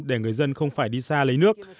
để người dân không phải đi xa lấy nước